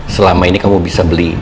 selama ini kamu bisa beli